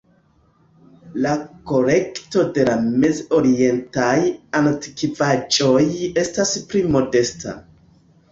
La kolekto de la Mez-Orientaj antikvaĵoj estas pli modesta.